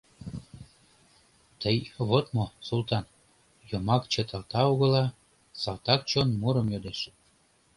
— Тый вот мо, Султан, йомак чыталта огыла, салтак чон мурым йодеш.